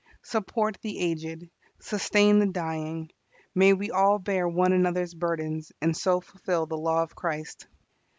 Support the aged. Sustain the dying. May we all bear one another's burdens and so fulfil the law of Christ.